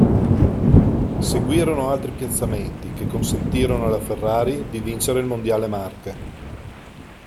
Seguirono altri piazzamenti che consentirono alla Ferrari di vincere il Mondiale Marche.